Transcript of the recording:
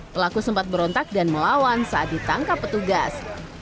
pelaku sempat berontak dan melawan saat ditangkap petugas